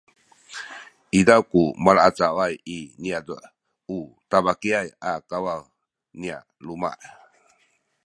izaw ku malaacawaay i niyazu’ u tabakiyay a kawaw nya luma’